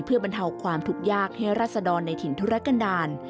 เพื่อบรรเทาความทุกข์ยากให้รัศดรในถิ่นธุรกันดาล